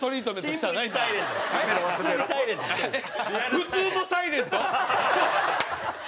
普通のサイレント？